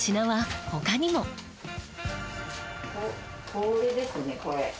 これですねこれ。